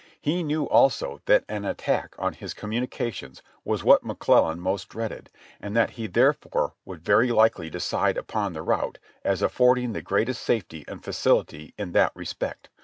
He knew also that an attack on his com munications was what McClellan most dreaded, and that he there fore would very hkely decide upon the route, as affording the greatest safety and facility in that respect.